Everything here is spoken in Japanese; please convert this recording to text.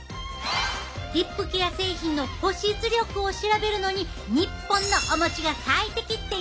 リップケア製品の保湿力を調べるのに日本のお餅が最適っていうねん。